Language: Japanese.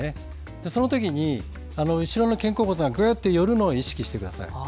そのときに後ろの肩甲骨がぐっと寄るのを意識してください。